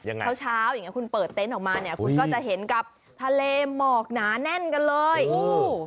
เช้าเช้าอย่างเงี้คุณเปิดเต็นต์ออกมาเนี่ยคุณก็จะเห็นกับทะเลหมอกหนาแน่นกันเลยอู้